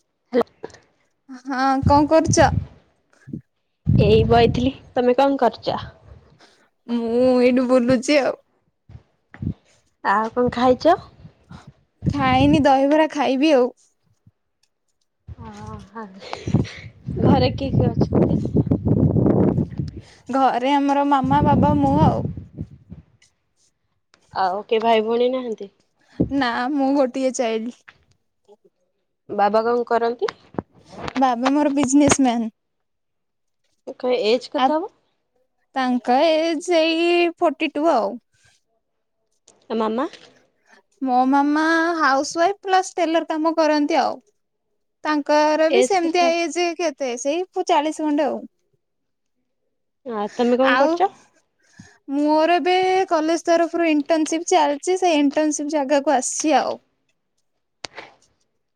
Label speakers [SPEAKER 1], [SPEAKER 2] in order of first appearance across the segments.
[SPEAKER 1] [unintelligible]
[SPEAKER 2] ହଁ କଣ କରୁଚ?
[SPEAKER 1] ଏଇ ବଇଥିଲି ତମେ କଣ କରୁଚ?
[SPEAKER 2] ମୁଁ ଏଇଟୁ ବୁଲୁଚି ଆଉ।
[SPEAKER 1] ଆଉ କଣ ଖାଇଚ?
[SPEAKER 2] ଖାଇନି ଦହିବରା ଖାଇବି ଆଉ।
[SPEAKER 1] ଅ ହାଁ କିଏ କିଏ କିଏ ଅଛନ୍ତି?
[SPEAKER 2] ଘରେ ଆମର ମାମା ବାବା ମୁଁ ଆଉ।
[SPEAKER 1] ଆଉ କିଏ ଭାଇ ଭଉଣୀ ନାହାନ୍ତି?
[SPEAKER 2] ନା ମୁଁ ଗୋଟିଏ ଚାଇଲଡି।
[SPEAKER 1] ବାବା କଣ କରନ୍ତି?
[SPEAKER 2] ବାବା ମୋର ବିଜନେସ ମ୍ୟାନ।
[SPEAKER 1] ତାଙ୍କ ଏଜ୍
[SPEAKER 2] ଆଉ
[SPEAKER 1] କେତେ ହବ?
[SPEAKER 2] ତାଙ୍କ ଏଜ ଏଇ ଫର୍ଟି ଟୁ ଆଉ।
[SPEAKER 1] ମାମା?
[SPEAKER 2] ମୋ ମାମା ହାଉସ ୱାଇଫ ପ୍ଲସ ଟେଲର କାମ କରନ୍ତି ଆଉ। ତାଙ୍କର ବି
[SPEAKER 1] ଏଜ୍
[SPEAKER 2] ସେମିତି
[SPEAKER 1] କେତେ ହବ?
[SPEAKER 2] ଏଜେ କେତେ ସେଇ ଚାଳିଶି ଖଣ୍ଡେ ଆଉ।
[SPEAKER 1] ଆ ତମେ କଣ
[SPEAKER 2] ଆଉ
[SPEAKER 1] କରୁଚ?
[SPEAKER 2] ମୋର ଏବେ କଲେଜ ତରଫରୁ ଇଣ୍ଟର୍ନସିପ୍ ଚାଲିଚି ସେଇ ଇଣ୍ଟର୍ନସିପ୍ ଜାଗାକୁ ଆସିଛି ଆଉ।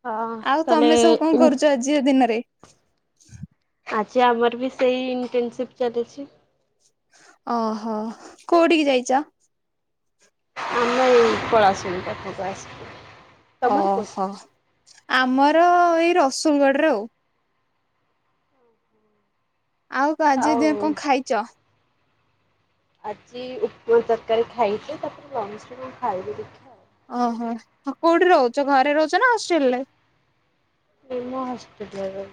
[SPEAKER 1] ହଁ
[SPEAKER 2] ଆଉ
[SPEAKER 1] ତାହଲେ
[SPEAKER 2] ତମେ ସବୁ କଣ
[SPEAKER 1] ଉଁ
[SPEAKER 2] କରୁଛ ଆଜି ର ଦିନରେ
[SPEAKER 1] ଆଜି ଆମର ବି ସେଇ ଇଣ୍ଟର୍ନସିପ୍ ଚାଲିଚି।
[SPEAKER 2] ଓହୋ କୋଉଠିକି ଯାଇଚ?
[SPEAKER 1] ଆମର ଏଇ ପଳାଶୁଣୀ ପାଖକୁ ଆସିିଚି
[SPEAKER 2] ଓହୋ ଆମର ଏଇ ରସୁଲଗଡରେ ଆଉ।
[SPEAKER 1] ହୁଁ
[SPEAKER 2] ଆଉ ଆଜି ଦିନ କଣ ଖାଇଚ?
[SPEAKER 1] ଆଜି ଉପମା ତରକାରୀ ଖାଇଚି ତାପରେ ଲଞ୍ଚ କଣ ଖାଇବି ଦେଖିବା।
[SPEAKER 2] ଓହୋଆଉ କୋଉଠି ରହୁଚ ଘରେ ରହୁଚ ନା ହଷ୍ଟେଲ ରେ?
[SPEAKER 1] ଏ ମୁଁ ହଷ୍ଟେଲେ ରେ।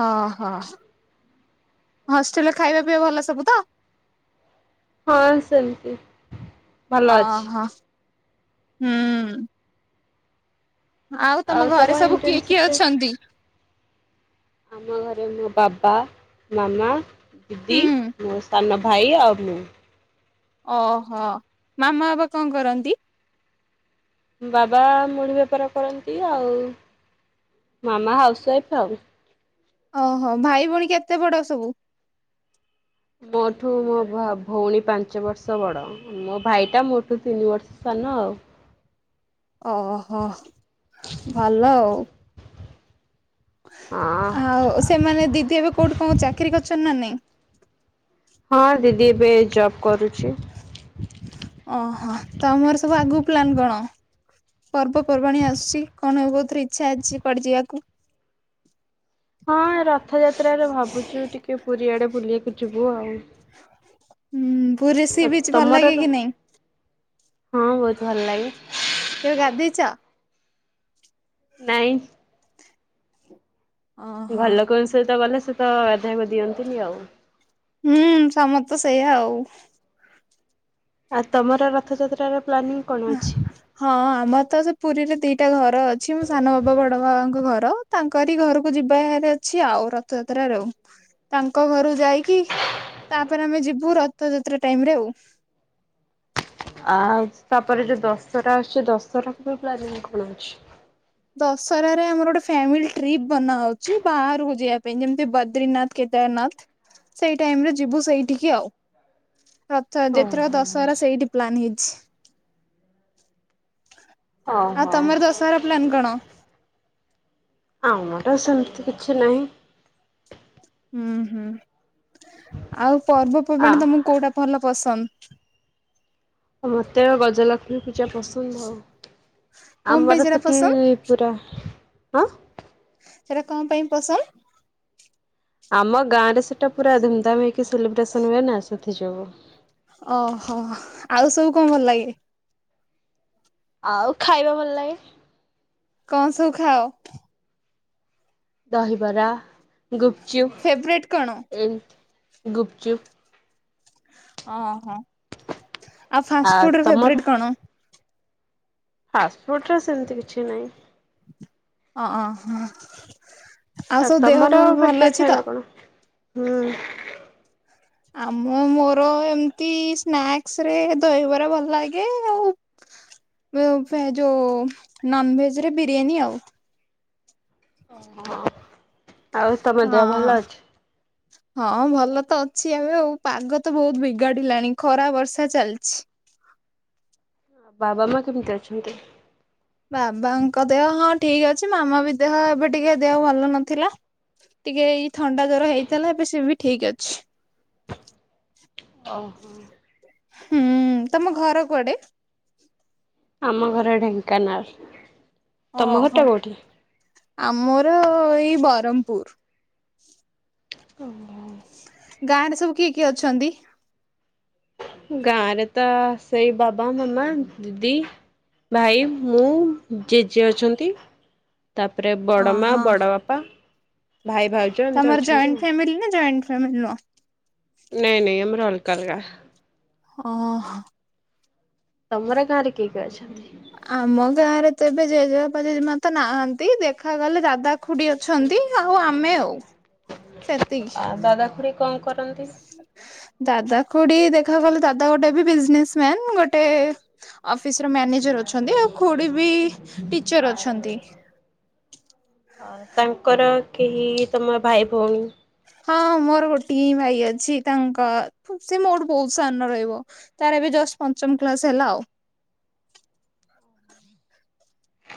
[SPEAKER 2] ଓହୋ ହଷ୍ଟେଲରେ ଖାଇବା ପିଇବା ଭଲ ସବୁ ତ?
[SPEAKER 1] ହଁ ସେମିତି ଭଲ ଅଛି।
[SPEAKER 2] ଓହୋ ହୁଁ। ଆଉ ତମ ଘରେ ସବୁ କିଏ କିଏ ଅଛନ୍ତି?
[SPEAKER 1] ଆମ ଘରେ ମୋ ବାବା, ମାମା ଦିଦି
[SPEAKER 2] ହୁଁ
[SPEAKER 1] ମୋ ସାନ ଭାଇ ଆଉ ମୁଁ।
[SPEAKER 2] ଓହୋ ମାମା ବାପା କଣ କରନ୍ତି?
[SPEAKER 1] ବାବା ମୁଢି ବେପାର କରନ୍ତି ଆଉ ମାମା ହାଉସ ୱାଇଫ ଆଉ।
[SPEAKER 2] ଓହୋ ଭାଇ ଭଉଣୀ କେତେ ବଡ ସବୁ?
[SPEAKER 1] ମୋଠୁ ମୋ ଭଉଣୀ ପାଞ୍ଚ ବର୍ଷ ବଡ଼। ମୋ ଭାଇଟା ମୋଠୁ ତିନି ବର୍ଷ ସାନ ଆଉ।
[SPEAKER 2] ଓହୋ ଭଲ ଆଉ।
[SPEAKER 1] ହଁ
[SPEAKER 2] ଆଉ ସେମାନେ ଦିଦି ଏବେ କୋଉଠି କଣ ଚାକିରି କରିନ୍ ନା ନାଇଁ।
[SPEAKER 1] ହଁ ଦିଦି ଏବେ ଜବ୍ କରୁଛି।
[SPEAKER 2] ଓହୋ ତ ଆମର ସବୁ ଆଗକୁ ପ୍ଲନ୍ କଣ? ପର୍ବପର୍ବାଣି ଆସୁଛି କଣ ହବ ବହୁ ଥର ଇଚ୍ଛା ଅଛି କୁଆଡେ ଯିବାକୁ
[SPEAKER 1] ହଁ ରଥଯାତ୍ରାରେ ଭାବୁଛୁ ଟିକେ ପୁରୀଆଡେ ବୁଲିବାକୁ ଯିବୁ ଆଉ।
[SPEAKER 2] ହୁଁ ପୁରୀ ରେ ସି ବିଚ ଭଲ
[SPEAKER 1] ତମର
[SPEAKER 2] ଲାଗେ କି ନାଇଁ।
[SPEAKER 1] ହଁ ବହୁତ ଭଲ ଲାଗେ।
[SPEAKER 2] କେବେ ଗାଧେଇଚ?
[SPEAKER 1] ନାଇଁ।
[SPEAKER 2] ଓହୋ।
[SPEAKER 1] ଘର ଲୋକଙ୍କ ସହିତ ଗଲେ ସେ ତ ଗାଧାଇବାକୁ ଦିଅନ୍ତିନି ଆଉ।
[SPEAKER 2] ହୁଁ ସମସ୍ତ ସେଇଆା ଆଉ।
[SPEAKER 1] ଆଉ ତମର ରଥଯାତ୍ରାର ପ୍ଲାନିଂ କଣ ଅଛି?
[SPEAKER 2] ହଁ ଆମର ତ ସେ ପୁରୀରେ ଦିଟା ଘର ଅଛି ମୋ ସାନ ବାବା ବଡ ବାବାଙ୍କ ଘର ତାଙ୍କରି ଘରକୁ ଯିବାର ଅଛି ଆଉ ରଥଯାତ୍ର ଆଉ ତାଙ୍କ ଘରୁ ଯାଇକି ତାପରେ ଆମେ ଯିବୁ ରଥଯାତ୍ରା ଟାଇମ ରେ ଆଉ।
[SPEAKER 1] ଆଉ ତାପରେ ଯୋଉ ଦଶହରା ଅଛି ଦଶହରା ପ୍ଲାନିଂ କଣ ଅଛି?
[SPEAKER 2] ଦଶହାରେ ଆମର ଗୋଟେ ଫ୍ୟାମିଲି ଟ୍ରିପ ବନାହଉଛି ବାହାରକୁ ଯିବା ପାଇଁ, ଯେମିତି ବଦ୍ରିନାଥ କେ ଦନାଥ ସେଇ ଟାଇମରେ ଯିବୁ ସେଇଠିକି ଆଉ ହଛ ଏଥର
[SPEAKER 1] ଓହୋ
[SPEAKER 2] ଦଶହରା ସେଇଠି ପ୍ଲାନ୍ ହେଇଛି। ଆଉ
[SPEAKER 1] ଓହୋ
[SPEAKER 2] ତମର ଦଶହାର ପ୍ଲାନ୍ କଣ?
[SPEAKER 1] ଆମର ସେମିତି କିଛି ନାହିଁ।
[SPEAKER 2] ହୁଁ ହୁଁ ଆଉ
[SPEAKER 1] ଆ
[SPEAKER 2] ପର୍ବପର୍ବାଣୀ ତମକୁ କୋଉଟା ଭଲ ପସନ୍ଦ?
[SPEAKER 1] ମତେ ଗଜଲକ୍ଷ୍ମୀ ପୂଜା ପସନ୍ଦ।
[SPEAKER 2] କଣ ପାଇଁ
[SPEAKER 1] ଆମର
[SPEAKER 2] ସେଟା
[SPEAKER 1] ସେଠି
[SPEAKER 2] ପସନ୍ଦ
[SPEAKER 1] ପୁରା ଆ।
[SPEAKER 2] ସେଟା କଣ ପାଇଁ ପସନ୍ଦ?
[SPEAKER 1] ଆମ ଗାଁରେ ସେଟା ପୁରା ଧୁମଧାମ ହେଇକି ସେଲିବ୍ରେସନ ହୁଏ ନା ସେଥି ଯୋଗୁ।
[SPEAKER 2] ଓହୋ ଆଉ ସବୁ କଣ ଭଲ ଲାଗେ?
[SPEAKER 1] ଆଉ ଖାଇବା ଭଲ ଲାଗେ।
[SPEAKER 2] କଣ ସବୁ ଖାଅ?
[SPEAKER 1] ଦହିବରା ଗୁପଚୁପ୍।
[SPEAKER 2] ଫେବରେଟ୍ କଣ?
[SPEAKER 1] ଏ ଗୁପଚୁପ୍।
[SPEAKER 2] ଓହୋ ଆଉ ଫାଷ୍ଟଫୁଡର ଫେବରଟ କଣ?
[SPEAKER 1] ଫାଷ୍ଟଫୁଡ଼ର ସେମିତି କିଛି ନାହିଁ।
[SPEAKER 2] ଓହୋ।
[SPEAKER 1] ଆଉ ତମର ଫେବରେଟ ଖାଇବା କଣ ହୁଁ।
[SPEAKER 2] ମୁ ମୋର ଏମତି ସ୍ନାକ୍ସରେ ଦହିବରା ଭଲ ଲାଗେ ଆଉ ଓ ଫେ ଯୋଉ ନନଭେଜ ରେ ବିରିୟାନୀ ଆଉ
[SPEAKER 1] [unintelligible] ଆଉ ତମ
[SPEAKER 2] ହଁ।
[SPEAKER 1] ଦେହ ଭଲ ଅଛି?
[SPEAKER 2] ହଁ ଭଲ ତ ଅଛି ଏବେ ଆଉ ପାଗ ତ ବହୁତ ବିଗାଡିଲାଣି ଖରା ବର୍ଷା ଚାଲିଛି।
[SPEAKER 1] ବାବା ମା କେମିତି ଅଛନ୍ତି?
[SPEAKER 2] ବାବାଙ୍କ ଦେହ ହଁ ଠିକ ଅଛି ମାମା ବି ଦେହ ଏବେ ଟିକେ ଦେହ ଭଲ ନଥିଲା। ଟିକେ ଏଇ ଥଣ୍ଡା ଜର ହେଇଥିଲା ଏବେ ସେ ବି ଠିକ୍ ଅଛି।
[SPEAKER 1] ଓହୋ।
[SPEAKER 2] ହୁଁ ତମ ଘର କୁଆଡେ?
[SPEAKER 1] ଆମ ଘର ଢେଙ୍କାନାଳ। ତମ ଘରଟା
[SPEAKER 2] ଓହୋ
[SPEAKER 1] କୋଉଠି?
[SPEAKER 2] ଆମର ଏଇ ବରମପୁର।
[SPEAKER 1] ଓ ହୋ।
[SPEAKER 2] ଗାଁରେ ସବୁ କିଏ କିଏ ଅଛନ୍ତି?
[SPEAKER 1] ଗାଁରେ ତ ସେଇ ବାବା ମାମା ଦିଦି ଭାଇ ମୁଁ ଜେଜେ ଅଛନ୍ତି। ତାପରେ ବଡମା
[SPEAKER 2] ଓହୋ
[SPEAKER 1] ବଡବାପା ଭାଇ ଭାଉ
[SPEAKER 2] ତମର ଜଏଣ୍ଟ ଫ୍ୟାମିଲୀ ନା ଜଏଣ୍ଟ ଫ୍ୟାମିଲୀ ନୁହଁ।
[SPEAKER 1] ନାଇଁ ନାଇଁ ଆମର ଅଲଗା ଅଲଗା।
[SPEAKER 2] ଓହୋ।
[SPEAKER 1] ତମର ଗାଁରେ କିଏ କିଏ ଅଛନ୍ତି?
[SPEAKER 2] ଆମ ଗାଁରେ ତ ଏବେ ଜେଜେବାପା ଜେଜେମା ତ ନାହାନ୍ତି ଦେଖାଗଲେ ଦାଦା ଖୁଡି ଅଛନ୍ତି ଆଉ ଆମେ ଆଉ ସେତିକି।
[SPEAKER 1] ଆଉ ଦାଦା ଖୁଡି କଣ କରନ୍ତି?
[SPEAKER 2] ଦାଦା ଖୁଡି ଦେଖା ଗଲେ ଦାଦା ଗୋଟେ ବି ବିଜନେସ ମ୍ୟାନ ଗୋଟେ ଅଫିସର ମ୍ୟାନେଜର ଅଛନ୍ତି ଆଉ ଖୁଡ଼ି ବି ଟିଚର ଅଛନ୍ତି।
[SPEAKER 1] ଅ ତାଙ୍କର କେହି ତମ ଭାଇ ଭଉଣୀ?
[SPEAKER 2] ହଁ ମୋର ଗୋଟିଏ ହିଁ ଭାଇ ଅଛି ତାଙ୍କ ସେ ମୋଠୁ ବହୁତ ସାନ ରହିବ। ତାର ଏବେ ଜଷ୍ଟ ପଞ୍ଚମ କ୍ଲାସ ହେଲା ଆଉ।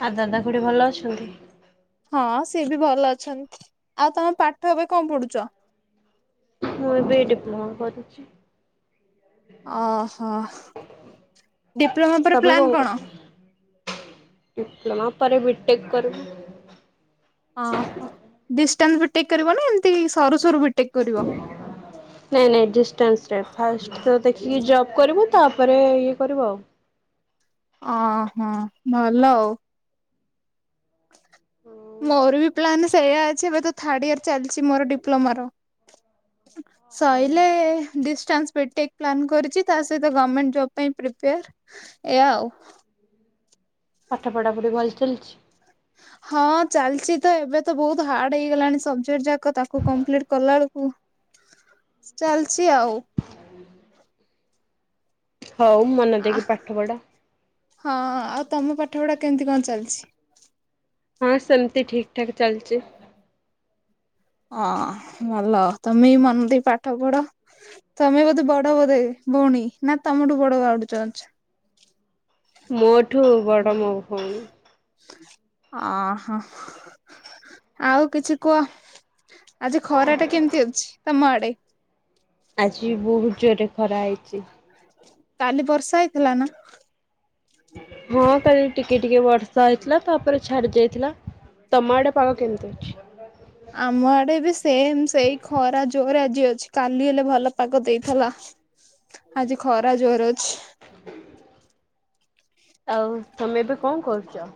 [SPEAKER 1] ଆଉ ଦାଦା ଖୁଡ଼ି ଭଲ ଅଛନ୍ତି?
[SPEAKER 2] ହଁ ସିଏ ବି ଭଲ ଅଛନ୍ତି ଆଉ ତମ ପାଠ ଏବେ କଣ ପଢୁଛ?
[SPEAKER 1] ମୁଁ ଏ ବି ଡିପ୍ଲୋମା କରୁଛି।
[SPEAKER 2] ଓହୋ ଡିପ୍ଲୋମା ପରେ
[SPEAKER 1] ତମେ
[SPEAKER 2] ପ୍ଲାନ୍ କଣ?
[SPEAKER 1] କରୁଛ? ଡିପ୍ଲୋମା ପରେ ବି ଟେକ୍ କରୁବୁ।
[SPEAKER 2] ଓହୋ ଡିଷ୍ଟାନ୍ସ ବି ଟେକ୍ କରିବ ନା ଏମିତି ସରୁ ସରୁ ବି ଟେକ୍ କରିବ।
[SPEAKER 1] ନାଇଁ ନାଇ ଡିଷ୍ଟାନ୍ସ ରେ ଫାର୍ଷ୍ଟ ଦେଖିକି ଜବ କରିବୁ। ତାପରେ ଇଏ କରିବୁ ଆଉ।
[SPEAKER 2] ଅ ହ ଭଲ ଆଉ।
[SPEAKER 1] ହୁଁ।
[SPEAKER 2] ମୋର ବି ପ୍ଲାନ୍ ସେଇୟା ଅଛି ଏବେ ତ ଥାର୍ଡ ଇୟର ଚାଲିଛି ମୋର ଡିପ୍ଲୋମାର ସଇଲେ ଡିଷ୍ଟାନ୍ସ ବିଟେକ୍ ପ୍ଲାନ୍ କରିଛି ତା ସହିତ ଗମେଣ୍ଟ ଜବ୍ ପାଇଁ ପ୍ରିପେୟାର ଏଇଆ ଆଉ।
[SPEAKER 1] ପାଠ ପଢା ପଢି ଭଲ ଚାଲିଛି?
[SPEAKER 2] ହଁ ଚାଲିଛି ତ ଏବେ ତ ବହୁତ ହାର୍ଡ ହେଇଗଲାଣି ସବଜେକ୍ଟ ଯାକ ତାକୁ କମ୍ପ୍ଲିଟ୍ କଲାଳକୁ
[SPEAKER 1] ହ [unintelligible]
[SPEAKER 2] ଚାଲିଛି ଆଉ।
[SPEAKER 1] ହଉ ମନ
[SPEAKER 2] ଆ
[SPEAKER 1] ଦେଇକି ପାଠ ପଢ।
[SPEAKER 2] ହଁ ଆଉ ତମ ପାଠପଢ଼ା କେମିତି କଣ ଚାଲିଛି?
[SPEAKER 1] ହଁ ସେମିତି ଠିକ ଠାକ୍ ଚାଲିଚି।
[SPEAKER 2] ଅଁ ଭଲ ତମେ ବି ମନ ଦେଇ ପାଠପଢ଼। ତମେ ବୋଧେ ବଡ ବୋଧେ ଭଉଣୀ ନା ତମଠୁ ବଡ ଆଡୁ
[SPEAKER 1] ମୋଠୁ ବଡ଼ ମୋ ଭଉଣୀ।
[SPEAKER 2] ଅଁ ହଁ ଆଉ କିଛି କୁଅ? ଆଜି ଖରା ଟା କେମିତି ଅଛି ତମ ଆଡେ?
[SPEAKER 1] ଆଜି ବହୁତ ଜୋରରେ ଖରା ହେଇଚି।
[SPEAKER 2] କାଲି ବର୍ଷା ହେଇଥିଲା ନା?
[SPEAKER 1] ହଁ କାଲି ଟିକେ ଟିକେ ବର୍ଷା ହେଇଥିଲା ତାପରେ ଛାଡି ଯାଇଥିଲା। ତମ ଆଡେ ପାଗ କେମିତି ଅଛି?
[SPEAKER 2] ଆମ ଆଡେ ବି ସେମ ସେଇ ଖରା ଜୋରରେ ଆଜି ଅଛି କାଲି ହେଲେ ଭଲ ପାଗ
[SPEAKER 1] ହ
[SPEAKER 2] ଦେଇଥେଲା।
[SPEAKER 1] [unintelligible]
[SPEAKER 2] ଆଜି ଖରା ଜୋରରେ ଅଛି।
[SPEAKER 1] ଆଉ ତମେ ଏବେ କଣ କରୁଚ?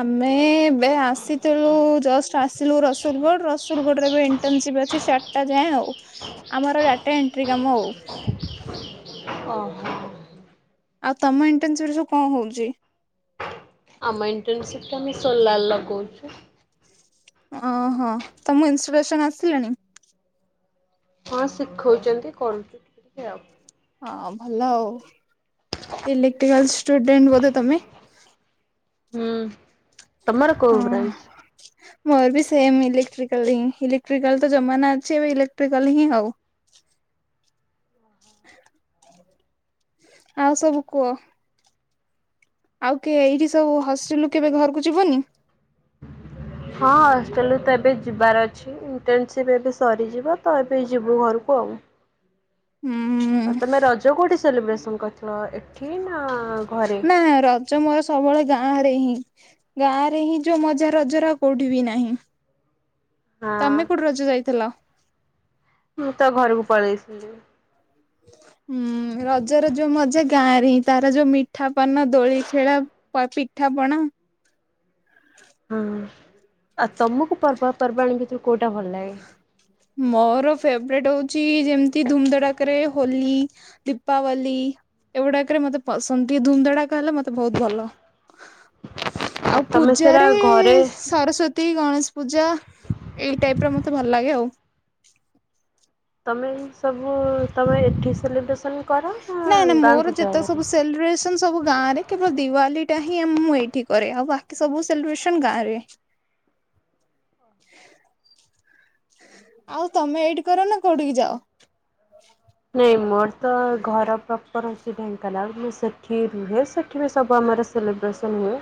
[SPEAKER 2] ଆମେ ଏବେ ଆସିଥିଲୁ ଜଷ୍ଟ ଆସିଲୁ ରସୁଲଗଡ଼ ରସୁଲଗଡରେ ବି ଇଣ୍ଟନସିପ୍ ଅଛି ଚାରଟା ଯାଏଁ ଆଉ। ଆମର ଡାଟା ଏଣ୍ଟ୍ରି କାମ ଆଉ।
[SPEAKER 1] ଓହୋ।
[SPEAKER 2] ଆଉ ତମ ଇଣ୍ଟନସିପ୍ ରେ ସବୁ କଣ ହଉଚି?
[SPEAKER 1] ଆମ ଇଣ୍ଟନସିପ୍ ରେ ଆମେ ସୋଲାର୍ ଲଗାଉଛୁ।
[SPEAKER 2] ଓହୋ ତମ ଇନସଷ୍ଟଡସନ ଆସିଲାଣି?
[SPEAKER 1] ହଁ ଶିଖଉଚନ୍ତି କରୁଚୁ ଟିକେ ଟିକେ ଆଉ।
[SPEAKER 2] ହଁ ଭଲ ଆଉ ଇଲେଟ୍ରିକାଲ ଷ୍ଟୁଡେଣ୍ଟ ବୋଧେ ତମେ?
[SPEAKER 1] ହୁଁ ତମର କୋଉ
[SPEAKER 2] ହଁ
[SPEAKER 1] ବ୍ରାଞ୍ଚ?
[SPEAKER 2] ମୋର ବି ସେମ ଇଲେକ୍ଟ୍ରିକାଲ ହିଁ ଇଲେକ୍ଟ୍ରିକାଲ ତ ଜମାନା ଅଛି ଏବେ ଇଲେକ୍ଟ୍ରିକାଲ ହିଁ ଆଉ। ଆଉ ସବୁ କୁଅ? ଆଉ କିଏ ଏଇଠି ସବୁ ହଷ୍ଟେଲୁ କେବେ ଘରକୁ ଯିବନି?
[SPEAKER 1] ହଁ ହଷ୍ଟେଲ ରୁ ତ ଏବେ ଯିବାର ଅଛି। ଇଣ୍ଟର୍ନସିପ୍ ଏବେ ସରିଯିବ ତ ଏବେ ଯିବୁ ଘରକୁ ଆଉ।
[SPEAKER 2] ହୁଁ
[SPEAKER 1] ଆଉ ତମେ ରଜ କୋଉଠି ସେଲିବ୍ରେସନ କରିଥିଲ ଏଠି ନା? ଘରେ?
[SPEAKER 2] ନା ର ରଜ ମୋର ସବୁବେଳେ ଗାଁ ରେ ହିଁ ଗାଁ ରେ ହିଁ ଯୋଉ ମଜା ରଜର ଆଉ କୋଉଠି ବି ନାହିଁ।
[SPEAKER 1] ହଁ
[SPEAKER 2] ତମେ କୋଉଠି ରଜ ଯାଇଥିଲ?
[SPEAKER 1] ମୁଁ ତ ଘରକୁ ପଳେଇଥିଲି।
[SPEAKER 2] ହୁଁ ରଜର ଯୋଉ ମଜା ଗାଁରେ ହିଁ ତାର ଯୋଉ ମିଠା ପାନ ଦୋଳି ଖେଳ। ପ ପିଠାପଣା।
[SPEAKER 1] ଅଁ ଆଉ ତମକୁ ପର୍ବ ପର୍ବାଣୀ ଭିତରୁ କୋଉଟା ଭଲ ଲାଗେ?
[SPEAKER 2] ମୋର ଫେବରେଟ୍ ହଉଚି ଯେମତି ଧୁମ ଧଡାକରେ ହୋଲି, ଦୀପାବଲୀ। ଏଗୁଡାକରେ ମତେ ପସନ୍ଦ ଟିକେ ଧୁମଧଡାକ ହେଲେ ମତେ ବହୁତ ଭଲ।
[SPEAKER 1] ହ
[SPEAKER 2] ଆଉ ପୂଜାରେ ସରସ୍ଵତୀ, ଗଣେଶ ପୂଜା ଏଇ ଟାଇପ୍ ର ମୋତେ ଭଲ ଲାଗେ ଆଉ।
[SPEAKER 1] ତମେ ଏଇ ସବୁ ତମେ ଏଠି ସେଲିବ୍ରେସନ୍
[SPEAKER 2] ନାଇଁ ନା ମୋର ଯେତେ ସବୁ ସେଲ୍ ବ୍ରେସ ତ ମୁଁ ସବୁ ଗାଁ ରେ କେବଳ ଦିୱାଲି ଟା ହିଁ ଆ ମୁଁ ଏଇଠି କରେ ଆଉ ବାକି ସବୁ ସେଲିବ୍ରେସନ ଗାଁ ରେ।
[SPEAKER 1] ଓ
[SPEAKER 2] ଆଉ ତମେ ଏଇଠି କର ନା କୋଉଠିକି ଯାଅ?
[SPEAKER 1] ନାଇଁ ମୋର ତ ଘର ପ୍ରପର ହଉଚି ଢ଼େଙ୍କାନାଳ ମୁଁ ସେଠି ରୁହେ ସେ ଠିବି ସବୁ ଆମର ସେଲିବ୍ରେସନ୍ ହୁଏ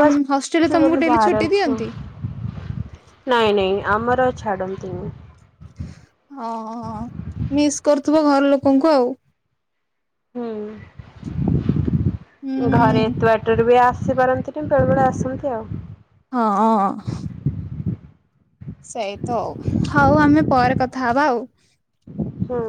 [SPEAKER 2] ହୁଁ ହଷ୍ଟେଲରେ
[SPEAKER 1] ଛୁ
[SPEAKER 2] ତମକୁ
[SPEAKER 1] ବୋଲି
[SPEAKER 2] ଡେଲି
[SPEAKER 1] ବାହାରେ
[SPEAKER 2] ଛୁଟି
[SPEAKER 1] ଅଛୁ।
[SPEAKER 2] ଦିଅନ୍ତି?
[SPEAKER 1] ନାଇଁ ନାଇଁ ଆମର ଛାଡ଼ନ୍ତିନି।
[SPEAKER 2] ହଁ ହଁ ହଁ ମିସ୍ କରୁଥୁବ ଘର ଲୋକଙ୍କୁ ଆଉ।
[SPEAKER 1] ହୁଁ ଘରେ
[SPEAKER 2] ହୁଁ
[SPEAKER 1] ଏତେ ବାଟ ଟରେ ବି ଆସିପାରନ୍ତିନ ବେଳେବେେଳେ ଆସନ୍ତି ଆଉ।
[SPEAKER 2] ହଁ ଅଁ। ସେଇ ତ ଅଉ। ହଉ ଆମେ ପରେ କଥା ହବା ଆଉ।
[SPEAKER 1] ହଁ।